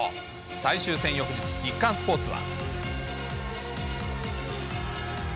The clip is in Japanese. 最終戦翌日、日刊スポーツは。